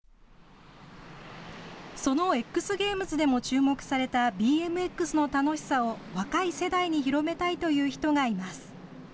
そのＸゲームズでも注目されたＢＭＸの楽しさを若い世代に広めたいという人がいます。